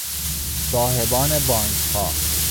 صاحبان بانکها